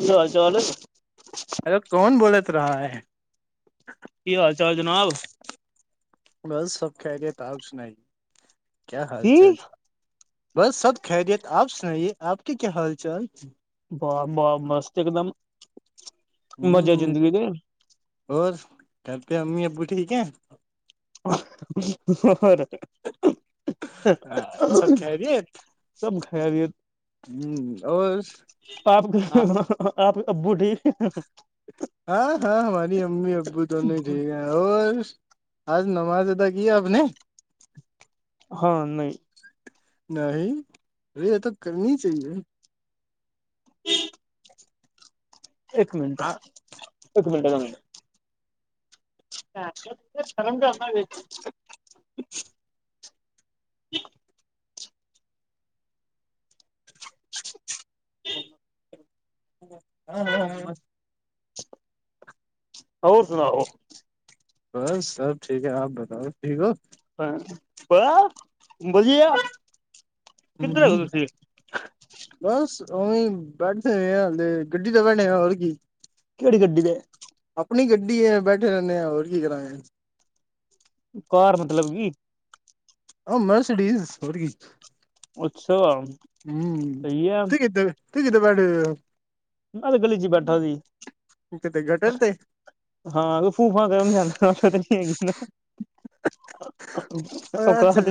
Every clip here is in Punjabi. ਕੀ ਹਾਲ -ਚਾਲ ਏ? [unintelligible] ਕੌਣ ਬੋਲਤ ਰਾਹ ਹੈ। ਕੀ ਹਾਲ -ਚਾਲ ਜਨਾਬ? ਬਸ ਸਭ ਖੈਰਿਅਤ। ਆਪ ਸੁਣਾਏ ਕਿਆ ਹਾਲ- ਕੀ ਚਾਲ। ਬਸ ਸਭ ਖੈਰੀਅਤ। ਆਪ ਸੁਣਾਈਏ ਆਪ ਕੀ ਕਿਆ ਹਾਲ- ਚਾਲ? [unintelligible] ਮਸਤ ਇੱਕਦਮ। ਮਜ਼ੇ ਹੂੰ, ਜ਼ਿੰਦਗੀ ਦੇ ਹੋਰ ਘਰ ਪੇ ਅੰਮੀ ਅੱਬੂ ਠੀਕ ਹੈ। ਹੋਰ ਸਭ ਖੈਰੀਅਤ ਆਪ ਕੇ ਆਪ ਅੱਬੂ ਠੀਕ ਹੈ। ਹਾਂ, ਹਾਂ ਹਮਾਰੀ ਅੰਮੀ ਅੱਬੂ ਦੋਨੋਂ ਹੀ ਠੀਕ ਹੈ। ਹੋਰ, ਅੱਜ ਨਮਾਜ਼ ਅਦਾ ਕੀ ਆਪਨੇ? ਹਾਂ ਨਹੀਂ ਨਹੀਂ, ਰੇ ਇਹ ਤਾਂ ਕਰਨੀ ਚਾਹੀਏ। [unintelligible] ਇੱਕ ਮਿੰਟ, ਇੱਕ ਮਿੰਟ ਆਣਾ [unintelligible] ਸ਼ਰਮ ਕਰਦਾ ਜੇ। [inaudible] [inaudible] [unintelligible] ਹੋਰ ਸੁਣਾਓ? ਬਸ ਸਭ ਠੀਕ ਹੈ, ਆਪ ਬਤਾਓ ਠੀਕ ਹੋ? ਬਸ ਵਧੀਆ ਕਿੱਧਰ ਹੋ ਤੁਸੀਂ? ਬਸ, ਉਵੇਂ ਬੈਠੇ ਆ ਹਲੇ ਗੱਡੀ [unintelligible] ਹੋਰ ਕੀ? ਕਿਹੜੀ ਗੱਡੀ ਏ ਆਪਣੀ ਗੱਡੀ ਏ ਬੈਠੇ ਰਹਿੰਦੇ ਆ ਹੋਰ ਕੀ ਕਰਾਏ ਕਾਰ ਮਤਲਬ ਵੀ? ਉਂ, ਮਰਸਡਡੀਜ਼ ਹੋਰੀ ਅੱਛਾ। ਹੂੰ, ਸਹੀ ਹੈ ਤੁਸੀਂ [unintelligible] ਨਾਲੇ ਗਲੀ ਚ ਬੈਠਾ ਸੀ। [unintelligible] ਤੇ ਹਾਂ ਫੂਫਾ ਕਰਨਾ [unintelligible] [unintelligible] ਅੱਛਾ ਔਕਾਤ,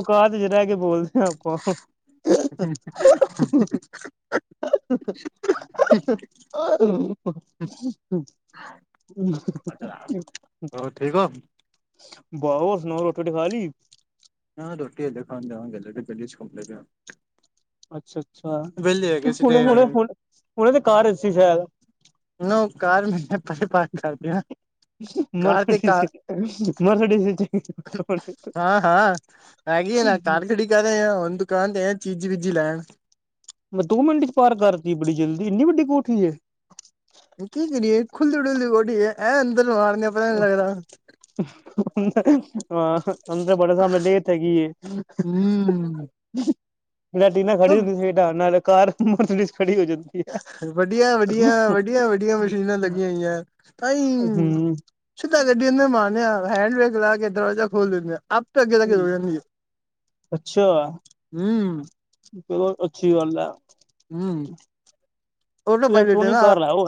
ਔਕਾਤ ਚ ਰਹਿ ਕੇ ਬੋਲ [unintelligible] [unintelligible] [unintelligible] ਅੱਛਾ ਹੋ ਠੀਕ ਹੋ? ਬਹੁ ਸੁਣਾਓ, ਰੋਟੀ ਰੋਟੀ ਖਾਲੀ। ਨਾ ਰੋਟੀ ਹਜੇ ਖਾਣ ਜਾਵਾਂਗੇ ਹਲੇ ਗਲੀ ਚ ਘੁੰਮਦੇ ਪਏ ਆਂ। ਅੱਛਾ, ਅੱਛਾ ਹੈਗੇ ਸੀ ਹੁਣੇ ਤੇ ਹੁਣੇ, ਹੁਣ ਤੇ ਕਾਰ [unintelligible] ਸੁਣੋ ਕਾਰ [unintelligible] ਕਾਰ ਤੇ ਮਰਸਡੀ ਕਾਰ ਚ, ਮਰਸਡੀ [unintelligible] ਹੈਗੀਏ [unintelligible] ਹੁਣ ਦੁਕਾਨ ਤੇ ਆ ਚੀਜੀ ਵੀਜੀ ਲੈਣ। ਮੈਂ ਦੋ ਮਿੰਟ ਚ ਪਾਰ ਕਰਤੀ ਬੜੀ ਜਲਦੀ ਇੰਨੀ ਵੱਡੀ ਕੋਠੀ ਏ। ਕੀ ਕਰੀਏ ਖੁੱਲੀ ਡੁੱਲੀ ਗੋਡੀ ਹੈ ਐਂ ਅੰਦਰ ਵਾੜਣੇ ਪਤਾ ਨੀ ਲੱਗਦਾ। ਅੰਦਰ ਹਾਂ ਅੰਦਰ ਤੁਹਾਡੇ ਸਮਣੇ ਲੇਟ ਹੈਗੀ ਏ ਹਮ ਲੈਟੀ ਨਾਲ ਖੜੀ ਹੁੰਦੀ ਸੀ ਢੰਗ ਨਾਲ ਕਾਰ ਮੋਟਰਸਲ ਖੜੀ ਹੋ ਜਾਂਦੀ ਹੈ ਵੱਡੀਆਂ ਵੱਡਆਂ ਵੱਡੀਆਂ ਵੱਢੀਆਂ ਮਸ਼ੀਨਾਂ ਲੱਗੀਆਂ ਹੋਈਆਂ ਤਾਂਹੀ। ਹੂੰ। ਸਿੱਧਾ ਗੱਡੀ ਅੰਦਰ ਮਾਨੇ ਹੈਂਡ ਬੈਗ ਲਾਕੇ ਦਰਵਾਜ਼ਾ ਖੋਲ ਲਿੰਦੇੇ ਆਂ। ਅਪ ਤੇ ਅੱਗੇ ਜਾ ਕੇ ਸੋ ਜਾਂਦੀ ਅੱਛਾ ਹੁੰ ਚਲੋ ਅੱਛੀ ਗੱਲ ਆ। ਹੁੰ ਆਟੋ ਪਾਇਲਟ ਇਲੈਕਟ੍ਰੋਨਿਕ ਦਾ। ਕਾਰ ਹੈ ਉਹ।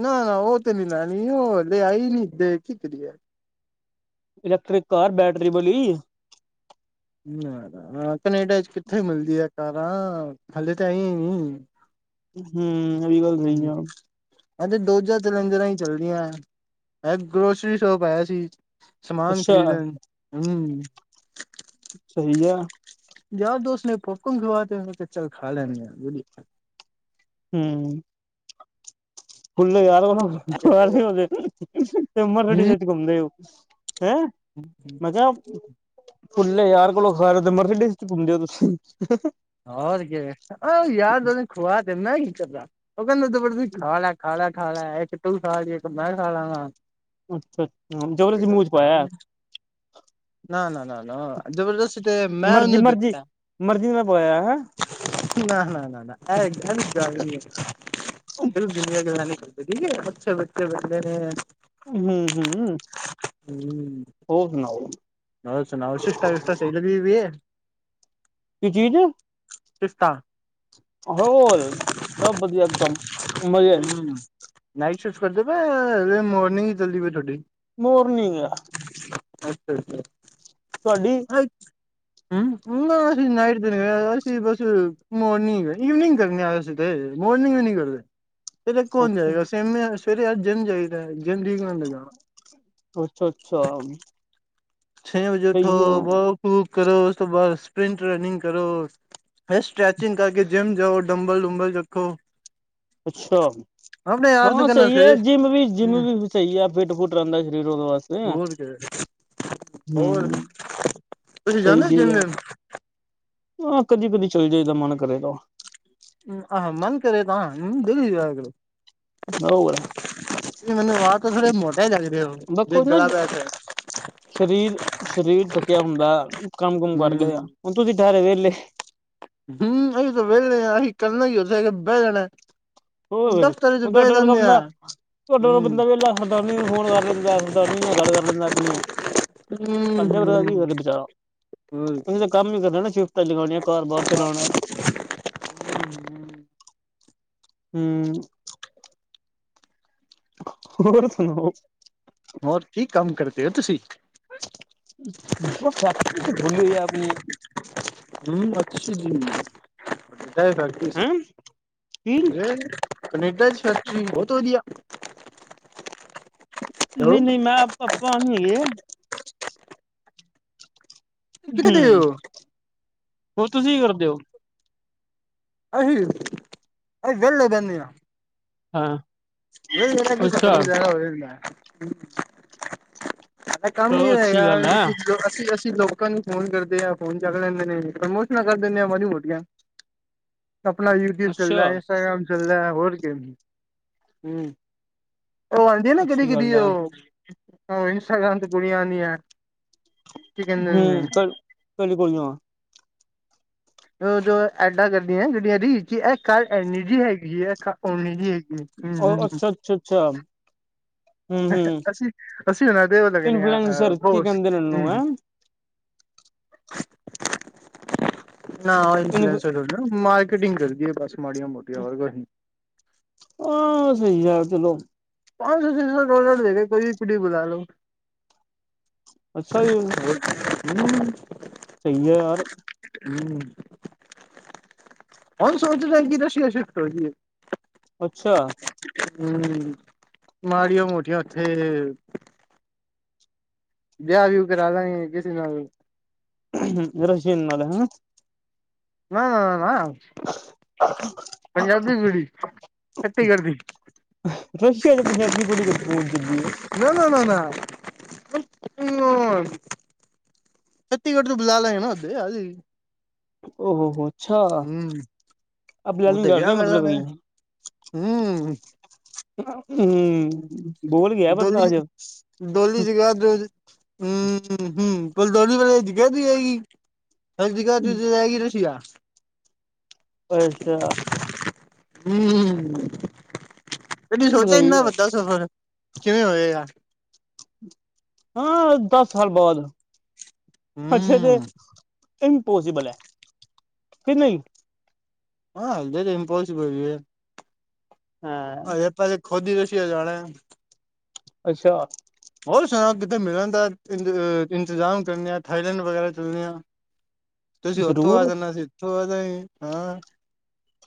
ਨਾ ਨਾ ਓ ਤੇ ਨੀ ਲੈਨੀ ਉਹ ਹਲੇ ਆਈ ਨੀਂ ਦੇਸ਼ 'ਚ ਕੀ ਕਰੀਏ ਇਲੈਕਟ੍ਰਿਕ ਕਾਰ ਬੈਟਰੀ ਵਾਲੀ। ਨਾ ਨਾ ਕਨੇਡਾ 'ਚ ਕਿੱਥੇ ਮਿਲਦੀਆ ਕਾਰਾਂ ਹਲੇੇ ਤੇ ਆਈ ਨੀ। ਹਮ ਐਵੀ ਗੱਲ ਸਹੀ ਆ ਹਾਂਜੀ [unintelligible] ਹੀ ਚੱਲਦੀਆਂ ਮ ਗਰੋਸਰੀ ਸ਼ੋਪ ਆਇਆ ਸੀ ਸਮਾਨ ਅੱਛਾ ਖਰੀਦਣ ਹਮ। ਸਹੀ ਹੈ ਯਾਰ ਦੋਸਤ ਨੇ ਪੋਪਕੋਨ ਖਵਾਤੇ ਮੈਂ ਕਿਹਾ ਚੱਲ ਖਾ ਲੈਣਦੇ ਆ ਹਮ [unintelligible] ਮੈੰ ਆ ਕਿਹਾ ਫੁੱਲੇ ਯਾਰ ਕੋਲੋਂ ਸਾਰੇ ਮਸਰਡੀ 'ਚ ਘੁੰਮਦੇ ਹੋ ਤੁਸੀਂ ਹੋਰ ਕਿ ਆਹ ਯਾਰ ਦੇਨੇ ਖੁਆ ਤੇ ਮੈਂ ਕੀ ਕਰਦਾ ਉਹ ਕਹਿੰਦਾ ਜਬਰਦਸਤੀ ਖਾ ਲਿਆ ਖਾ ਲੈ ਖਾਲਾ ਇੱਕ ਤੂੰ ਖਾਲੀ ਇੱਕ ਮੈਂ ਖਾ ਲਾਂਗਾ ਅੱਛਾ ਅੱਛਾ ਜਰਾ ਜਾ ਮੂੰਹ 'ਚ ਪਾਇਆ ਨਾ, ਨਾ, ਨਾ, ਨਾ ਜਬਰਦਸਤੀ ਤੇੇ ਮੈਂ ਮਰਜੀ ਉਹਨੂੰ ਮਰਜੀ ਦਿੱਤਾ ਮਰਜ਼ੀ ਨਾਲ ਪਵਾਇਆ ਹੈਂ ਨਾ, ਨਾ, ਨਾ, ਨਾ ਐ ਇਹੀ ਗੱਲ ਨੀ ਐਦਾਂ ਦੀਆਂ ਗਲਾ ਨਹੀ ਕਰਦੀਆਂ ਵਧੀ ਹੱਚ ਬੱਚ ਬਦੇ ਨੇ ਹੂੰ ਹੂੰ ਹਮ ਹੋਰ ਸੁਣਾਓ ਹੋਰ ਸੁਣਾਓ ਸਿਫਟਾ ਵਿਸਟਾ ਸਹੀ ਚੱਲੇ ਦੀਆਂ ਰੇ ਕੀ ਚੀਜ ਪਿਸਤਾ ਹੋਲ ਸਭ ਵਧੀਆ ਇਕਦਮ ਹਮ ਨਾਈਟ ਸ਼ਿਫਟ ਕਰਦੇ ਪਏ ਹਮ ਮੋਰਨਿੰਗ ਚਲਦੀ ਪਈ ਤੁਹਾਡੀ ਮੋਰਨਿੰਗ ਅੱਛਾ ਅੱਛਾ ਤੁਹਾਡੀ ਅੱਛ ਹਮ ਅਸੀਂ ਨਾਈਟ ਦੇ ਅਸੀਂ ਬਸ ਮੋਰਨਿੰਗ ਇਵਨਿੰਗ ਕਰਨੇ ਆਏ ਸੀ ਤੇ ਮੋਰਨਿੰਗ ਵੀ ਨਹੀਂ ਕਰਦੇ ਇਹਦੇ 'ਚ ਕੋਨ ਅੱਛਾ ਜਾਏਗਾ ਸਵੇਰੇ ਜਿਮ ਜਾਈਦਾ ਜਿੰਮ ਠੀਕ ਹੁੰਦਾ ਜਾਣਾ ਅੱਛਾ ਅੱਛਾ ਛੇ ਵਜੇ ਉੱਠੋ ਸਹੀ ਹੈ ਵੋਕ ਵੂਕ ਕਰੋ ਉਸ ਤੋਂ ਬਾਅਦ ਸਪ੍ਰਿਟ ਰਨਿੰਗ ਕਰੋ ਫਿਰ ਸਟ੍ਰੈਚਿੰਗ ਕਰਕੇ ਜਿੰਮ ਜਾਓ ਡੰਬਲ ਡੁੁੰਬਲ ਰੱਖੋ ਅੱਛਾ ਆਪਣੇ ਯਾਰ ਨੂੰ ਹਾਂ ਕਹਿੰਦਾ ਸਹੀ ਹੈ ਸਵੇਰੇ ਜਿੰਮ ਵੀ ਜਿੰਮ ਹਮ ਵੀ ਸਹੀ ਹੈ ਫਿੱਟ ਫੁੱਟ ਰਹਿੰਦਾ ਸਰੀਰ ਉਹਦੇ ਵਾਸਤੇ ਹੋਰ ਹਮ ਤੁਸੀਂ ਜਾਂਦੇ ਹੋ ਜਿਮ ਜੁੰਮ ਆਹ ਕਦੀ ਕਦੀ ਚੱਲ ਜਾਏ ਦਾ ਮਨ ਕਰੇ ਤਾਂ ਹਮ ਆਹ ਮਨ ਕਰੇੇ ਤਾ ਹਾਂ ਡੇਲੀ ਕਰਿਆ ਕਰੋ ਬਰੋ ਹੈ ਨਾ ਇਹ ਮੈਨੂੰ ਆਹ ਤਾਂਥੋੇ ਮੋਟਾ ਹੀ ਦਿਖਦੇ ਆ ਓ ਬਕਰ ਨਾ ਸਰੀਰ ਸਰੀਰ ਥੱਕਿਆ ਹੁੰਦਾ ਕੰਮ ਕੁਮ ਕਰ ਗਿਆ ਹੁਣ ਤੁਸੀਂ ਠਾਹਰੇ ਵੇਹਲੇ ਹਮ ਅਸੀਂ ਤਾਂ ਵਿਹਲੇ ਹਾਂ ਅਸੀਂ ਕਰਨਾ ਹੀ ਉਥੇ ਬਹਿ ਜਾਣਾ‌ ਹੋਰ ਫਿਰ ਹੁਣ ਤੁਹਾਡੇ ਵਰਗਾ ਬੰਦਾ ਤੁਹਾਡੇ ਵਰਗਾ ਹੂੰ ਬੰਦਾ ਵੇਲਾ ਸਰਦਾਰਨੀ ਨੂੰ ਫੋਨ ਕਰ ਲੈਂਦਾ ਸਰਦਾਰਨੀ ਨਾਲ ਗੱਲ ਕਰ ਲੈਂਦਾ ਆਪਣੀ ਸਾਡੇ ਪਤਾ ਹੂੰ ਕੀ ਕਰਦੇ ਵਿਚਾਰਾ ਹੂੰ ਅ ਤਾਂ ਕੰਮ ਹੀ ਕਰਨਾ ਨਾ ਬਸ ਲਗਾਉਣੀ ਆ ਘਰ ਬਾਰ ਚਲਾਉਣਾ ਹਮ ਹਮ ਹੋਰ ਸੁਣਾਓ ਹੋਰ ਕੀ ਕੰਮ ਕਰ ਗਏ ਤੇ ਤੁਸੀਂ ਫਕ ਹੱਲ [unintelligible] ਹਮ ਅੱਛਾ ਜੀ ਫਿਰ ਹਮ ਕਨੇਡਾ ਚ ਫੈਕਟਰੀ ਬਹੁਤ ਵਧੀਆ ਹੈਲੋ ਨਹੀਂ ਨਹੀਂ ਮੈਂ ਆਪਾਂ ਆਉਣੀ ਹੈਗੇ ਕਿੱਥੇ ਹਮ ਹੋ ਹੋਰ ਤੁਸੀਂ ਕਰਦੇ ਹੋ ਅਸੀ ਅਸੀ ਬੇਲੇ ਰਹੀ ਨੇ ਆ ਹਾਂ ਇਹਏ ਕੀ ਅੱਛਾ ਸਤਾਰ ਹੋਵੇ ਐ ਕੰਮ ਨ ਚਲੋ ਅੱਛੀ ਰਹੇਗਾ ਗੱਲ ਹੈ ਜੋ ਅਸੀ ਅ ਲੋਕਾਂ ਨੂੰ ਫੋਨ ਕਰਦੇ ਆ ਫੋਨ ਚੱਕ ਲੈਂਦੇ ਨੇ ਪ੍ਰਮੋਸ਼ਨਾਂ ਕਰ ਦਿੰਦੇ ਆ ਮਾੜੀ ਮੋਟੀਆਂ ਆਪਣਾ ਯੂਟਿਊਬ ਅੱਛਾ ਚੱਲਦਾ ਇੰਸਟਾਗ੍ਰਾਮ ਚਲਦਾ ਹੋਰ ਗੇਮ ਚਲਦੀ ਹਮ ਉਹ ਆਉਦੀ ਆ ਨਾ ਕਿਦੀ ਅੱਛੀ ਕਿਦੀ ਗੱਲ ਹੈ ਉਹ ਹਮ ਇੰਸਟਾਗ੍ਰਾਮ ਤੇ ਕੁੜੀਆਂ ਨਹੀਂ ਹੈ ਹਮ ਚੱਲ ਕੋਈ ਨਾ ਏ ਜੋ ਐਡਾਂ ਕਰਦੀਆਂ ਜਿਹੜੀਆਂ ਇਕ ਅਖੱ ਏਨੀ ਜਿਹੀ ਹੈਗੀ ਹੈ ਇਕ ਅੱਖ ਏਨੀ ਜਿਹੀ ਹੈਗੀ ਹੂੰ ਹੂੰ ਉਹ ਹੂੰ, ਅੱਛਾ ਅੱਛਾ ਅੱਛਾ ਹੂੰ ਹੂੰ ਅਸੀਂ ਅਸੀਂ ਉਹਨਾਂ ਦੇ ਉਹ ਲੱਗਣੇ ਹ ਅਹ ਇਨਫਲੂਐਂਸਰ ਕੀ ਬੋਸ ਕਹਿੰਦੇ ਨੇ ਉਹਨੂੰ ਹਮ ਹੈਂ ਨਾ ਇੰਸ ਮਾਰਕੀਟਿੰਗ ਕਰਦੀਏ ਬਸ ਮਾੜੀਆਂ ਮੋਟੀਆਂ ਹੋਰ ਕੁਛ ਹਾਂ ਸਹੀ ਆ ਚਲੋ ਪੰਜ ਸੌ ਛੇ ਸੌ ਡੋਲਰ ਦੇ ਕੇ ਕੋਈ ਵੀ ਪੀੜੀ ਬੁਲਾ ਲੇਵੋ ਅੱਛਾ ਯਾਰ ਹਮ ਸਹੀ ਹੈ ਯਾਰ ਹਮ ਹੁਣ ਸੋਚਦੇ ਕਿ ਰਸੀਆ ਸ਼ਿਫਟ ਹੋ ਜੀ ਏ ਅੱਛਾ ਹਮ ਮਾੜੀਆਂ ਮੋਟੀਆਂ ਉੱਥੇ ਵਿਆਹ ਵਿਹੁ ਕਰਾ ਲਾਗੇ ਕਿਸੇ ਨਾਲ ਰਸ਼ੀਅਨ ਨਾਲ ਹਨਾ ਨਾ ਨਾ ਪੰਜਾਬੀ ਕੁੜੀ ਛੱਤੀਗੜ੍ਹ ਦੀ [inaudible] ਰਸ਼ੀਆ ਚ ਪੰਜਾਬੀ ਬੜੀ ਗਦਕੂਨ ਚੱਲੀ ਹੈ [inaudible] ਨਾ ਨਾ ਨਾ ਨਾ [inaudible] ਛਤੀਗੜ੍ਹ ਨੂੰ ਬੁਲਾਾਲਾ ਹੈ ਨਾਓੱਦੇ ਆ [inaudible] ਓਹ ਹੋ ਹੈ ਅੱਛਾ [inaudible] ਅ ਬ ਲੈਾਲ ਗ ਰਹੀ ਮਤਲਬ ਹਮ ਹਮ ਬੋਲ ਗਿਆ ਬੰਦਾ ਅੱਜ। [inaudible] ਹਮ ਹਮ ਕੁਲ ਦੋਨੀ ਵੇਲੇਜ ਕਹਿਦੀ ਆਏਗੀ [inaudible] ਅਦੀ ਗ ਤੁ ਜਾਏਗੀ ਰਸੀ ਆ [inaudible] ਅੱਛਾ ਹਮ ਤੈਨ ਸੋਚਿਆ ਇਨਾ ਵਧੀਆ [inaudible] ਸਫ਼ਰ ਕਿਵੇਂ ਹੋਏ ਆ? ਹਾਂ ਆ ਦਸ ਸਾਲ ਬਾਦ। ਅੱਛਾ ਤੇ ਹੂੰ ਇੰਪੋਸੀਬਲ ਹੈ ਕਿ ਨਹੀਂ? ਹਾਂ ਅਲਦੇ ਇੰਪਾਸਬਲ ਵੀ [inaudible] ਹਾਂ ਇਹ ਪਾਸੇ ਖੋਦੀ ਦਸੀ ਆ ਜਾਣੇ [inaudible] ਅੱਛਾ ਹੋਰ ਸੁਣਾ ਕਿਤੇ ਮਿਲਣ ਦਾ ਇੰਤ ਇੰਤਜ਼ਾਮ ਕਰਨੇ ਆ ਥਾਈਲੈਂਡ ਵਗੈਰਾ ਚੱਲਦੇ ਆ। ਤੁਸੀਂ ਉੱਥੋਂ ਆ ਜ਼ਰੂਰ ਜਾਨਾ ਅੱਸੀ ਇੱਥੋਂ ਆ ਜਾਂਗੇ ਹਾਂ।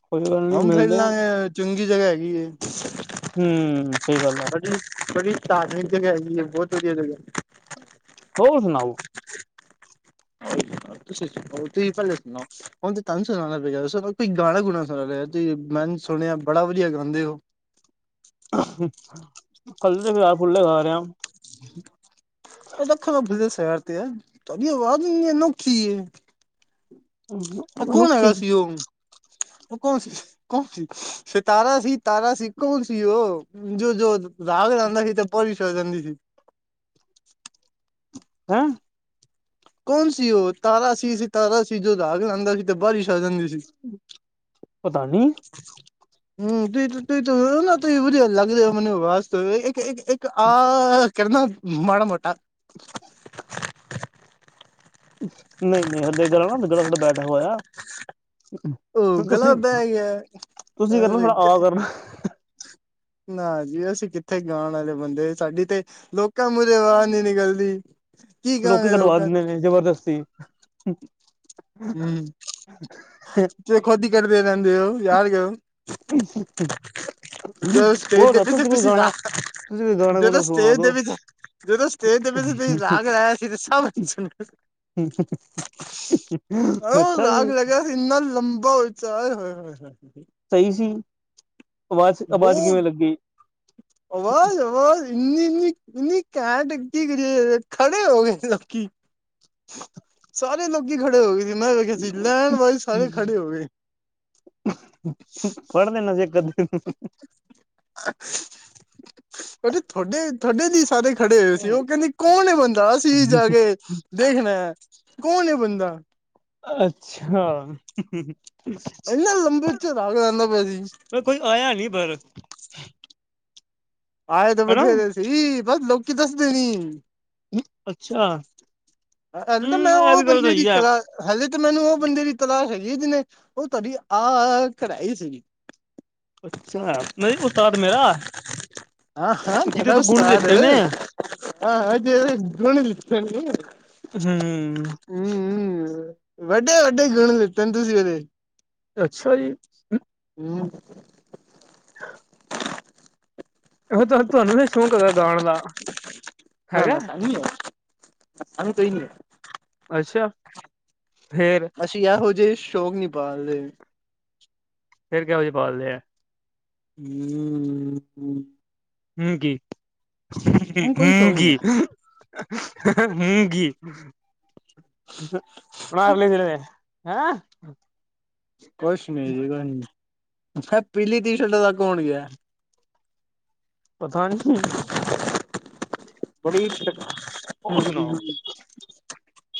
ਕੋਈ ਗੱਲ ਨੀ ਹਮ ਫੇਿਰ ਮਿਲਦੇ ਆ ਲਾਂਗੇ [inaudible] ਚੰਗੀ ਜਗ੍ਹਾ ਹੈਗੀ ਏ ਹਮ ਸਹੀ ਗੱਲ ਹੈ। ਬੜੀ ਬੜੀ ਧਾਰਮਿਕ ਜਗ੍ਹਾ ਹੈਗੀ ਹੈ ਬਹੁਤ ਵਧੀਆ ਜਗ੍ਹਾ ਹੈ ਹੋਰ ਸੁਣਾਓ? ਤੁਸੀ ਤੁੂੰ ਹੀ ਪ [inaudible] ਹੁਣ ਤੇ ਤਹਾਨੂੰ ਸੁਨਾਨਾ ਪਏਗਾ ਵੈਸੇ ਕੋਈ ਗਾਨਾ ਗੂਨਾ ਸੁਣਾ ਦੋ ਮੈਂ ਸੁਣਿਆ ਬੜਾ ਵਧੀਆ ਗਾਉਂਦੇ ਹੋ। ਕੱਲ [inaudible] ਫੁੱਲੇ ਖਾ ਰਹੇ ਆ ਇਹ ਤਾਂ ਖ ਭੁੱਲ ਸ ਯਾਰ ਤੇ ਯਾਰ ਤੁਹਾਡੀ ਆਵਾਜ਼ ਨ ਨੋਖੀ [inaudible] ਇਹ ਕੌਣ ਹੈਗਾ ਮਨੁੱਖੀ ਸੀ ਉ ਕੌਣ ਸੀ? ਕੋਣ ਸੀ ਤਾਰਾ ਸੀ ਤਾਰਾ ਸੀ ਕੋਣ ਸੀ ਉਹ? ਜੋ ਜੋ ਰਾਗ ਰਹਿੰਦਾ ਸੀ ਤੇ ਪਰਵਿਸ ਹੋ ਜਾਂਦੀ ਸੀ [inaudible] ਹੈਂ? ਕੌਣ ਸੀ ਉਹ ਤਾਰਾ ਸੀ ਤਾਰਾ ਸੀ ਜੋ ਰਾਗ ਲਾਂਦਾ ਸੀ ਤੇ ਬਾਰਿਸ਼ ਆ ਜਾਂਦੀ ਸੀ। ਪਤਾ ਨੀ। [unintelligible] ਹਮ ਤੁੂੰਂ ਤੁੂੰਂ ਨਾ ਤੁੂੰਂ ਬਧੀ ਲੱਗਦੀ ਮਨ ਉਹ ਬਸ [inaudible] ਇੱਕ ਇੱਕ ਇਕ ਆ ਕਰਨਾ ਮਾੜਾ ਮੋਟਾ। [unintelligible] ਅਮ [unintelligible] ਨਹੀਂ ਨਹੀਂ ਹਲੇੇ ਗੱਲ ਨਾ ਸਾਡਾ ਬੈਠਾ ਹੋਇਆ ਤੁਸੀਂ [inaudible] ਦਾ ਹੀ ਹੈ ਤੁਸੀਂ ਕਰਨਾ ਥੋੜਾ ਆ ਕਰਨਾ। ਨਾ ਜੀ ਅਸੀਂ ਕਿੱਥੇ ਗਾਣ ਆਲੇ ਬੰਦੇ ਸਾਡੀ ਤੇ ਲੋਕਾਂ ਮੂਰੇਰ ਅਵਾਜ ਨੀ ਨਿਕਲਦੀ। ਕੀ ਲੋਕੀ ਕਹਾਂਗੇ ਕਡਵਾ ਲੋਕਾਂ ਦਿੰਦੇ ਨੂੰ ਨੇ ਜਬਰਦਸਤੀ। ਕਿਉ ਖਦੀ ਕਰੜਦੇ ਨਦੀ ਯਾ ਤੂੰਜ ਸਟੇਜ ਹੋਰ ਦੇ ਦੱਸੋ 'ਚ ਤੁਸੀਂ ਕੋਈ ਖਸੀ ਜਾ, ਗਾਣਾ ਤੁਸੀਂ ਕੋਈ ਗਾਣਾ ਤੂੰਜ ਤਾਂ ਗੁਣਾ ਸੁਣਾ ਸਟੇਜ ਦੇ ਦੋ ਜਦੋਂ ਸਟੇਜ ਦੇ ਵੈਸੇ ਤੁਸੀਂ ਰਾਗ ਲਾਇਆ ਸੀ, ਤੇ ਸਭ ਅੱਛਾ ਜੀ। ਸਾਨੂੰ ਲੱਗਿਆ ਸੀ, ਇੰਨਾ ਲੰਬਾ ਉੱਚਾ, ਹ ਆਏ ਹਾਏ! ਸਹੀ ਸੀ, ਆਵਾਜ਼- ਆਵਾਜ਼ ਬਹੁਤ ਕਿਵੇਂ ਲੱਗੀ? ਆਵਾਜ਼, ਵਾਜ਼ ਇਨੀ, ਇਨੀ ਕੈਂਟ ਅੱਗੇ ਕਰ ਖੜੇ ਹੋ ਗਈ ਲੋਕੀ। ਸਾਰੇ ਲੋਕੀ ਖੜੇ ਹੋ ਗਏ ਸੀ, ਮੈਂ ਵੇਖਿਆ ਸੀ, ਲੈਣ ਵਾਲੇ ਸਾਰੇ ਖੜੇ ਹੋ ਗਏ। ਵਡ ਦੇਣਾ ਸੀ, ਇੱਕ ਅੱਧ ਨੂੰ। ਉਹ ਤੁਹਾਡੇ, ਤੁਹਾਡੇ ਦੀ ਸਾਰੇ ਖੜੇ ਹੋਏ ਸੀ। ਨੂੰ ਉਹ ਕਹਿੰਦੀ ਕੌਣ ਬੰਦਾ, ਅਸੀ ਜਾ ਕੇ ਦੇਖਣਾ ਹੈ, ਕੌਣ ਬੰਦਾ ਅੱਛਾ! ਇਹਨ ਲੰਬੇ ੳਚੇ, ਰਾਗ ਲੈਂਦਾ ਪਿਆ ਸੀ। ਮੈਂ ਕੋਈ ਆਇਆ ਨਹੀਂ, ਪਰ ਆਏ ਤਾਂ ਹਨਾ ਬਥੇਰੇ ਸੀ, ਬਸ ਲੋਕੀ ਦੱਸਦੇ ਨੀ। ਅੱਛਾ! ਇਹਨ ਤਾਂ, ਹਮ ਮੈਂ ਇਹ ਉਹ ਵੀ ਗੱਲ ਬੰਦੇ ਨੀ ਸਹੀ ਹੈ ਚਲਾ ਹਲੇ ਤਾਂ ਮੈਨੂੰ ਉਹ ਬੰਦੇ ਦੀ ਤਲਾਸ਼ ਹੈਗੀ, ਜਨੇ ਉਹ ਤੁਹਾਡੀ ਆਹ ਕਢਾਈ ਸੀਗੀ। ਅੱਛਾ, ਨਹੀਂ ਉਸਤਾਦ ਮੇਰਾ ਆਹ ਜਿਹਦੇ ਤੁਹਾਡਾ ਤੋਂ ਗੁਣ ਉਸਤਾਦ, ਦਿੱਤੇ ਨੇ ਜਿਸਨੇ ਗੁਣ ਦਿੱਤੇ ਨੇ। ਹਮ। ਹਮ, ਵੱਡੇ- ਵੱਡੇ ਗੁਣ ਤੰਦੂਸੀ ਉਹਦੇ। ਅੱਛਾ ਜੀ! ਹਮ। ਹਾਂ। ਹੋ ਤੁਹ ਤੁਹਾਨੂੰਨ ਨੀ, ਸ਼ੌਕ ਹੈਗਾ ਗਾਉਣ ਦਾ? ਨਾ ਹੈਗਾ ਨਾ ਸਾਨ ਹੈ, ਸਾਨੂੰ ਕਈ ਨਹੀਂ ਹੈ। ਅੱਛਾ, ਫੇਰ ਅਸੀਂ, ਇਹੋ ਜਿਹੇ ਸ਼ੌਕ ਨੀ ਪਾਾਲਦੇ। ਫੇਰ ਕਿਹੋ ਜੇ ਪਾਲਦੇ ਆ? ਹਮ [unintelligible] ਹਮ, ਹਮ। [unintelligible] ਹਮ ਗ, ਹਮਜੀ [unintelligible] ਕੋਈ ਸ਼ੌਕ ਨੀ ਹੈ ਹਗੀ ਹ, ਨਾਲੇ [unintelligible] ਹੈਂ [unintelligible] ਕੁਛ ਨੀ ਜੀ, ਕੁਛ ਨੀ, ਮ ਪੀਲੀ ਟੀ ਸ਼ਰਟ ਦਾ ਕੌਣ ਗਿਆ? ਪਤਾ ਨੀ [unintelligible] ਬੜੀ ਸੁਣਾਓ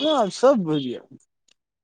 ਹਾਂ, ਸਭ ਵਧੀਆ